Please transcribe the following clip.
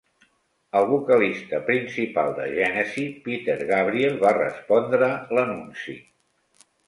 El vocalista principal de Gènesi, Peter Gabriel, va respondre l'anunci.